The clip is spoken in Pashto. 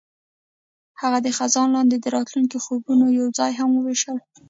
هغوی د خزان لاندې د راتلونکي خوبونه یوځای هم وویشل.